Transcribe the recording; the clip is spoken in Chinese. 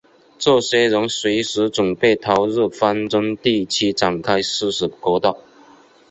这些人随时准备投入纷争地区展开殊死格斗。